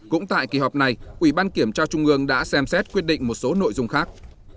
cũng tại kỳ họp này ủy ban kiểm tra trung ương đã xem xét quyết định một số nội dung khác